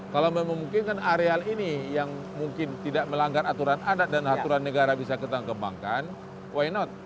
kalau memungkinkan areal ini yang mungkin tidak melanggar aturan adat dan aturan negara bisa kita kembangkan why not